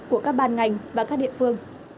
của các ban ngành và các địa phương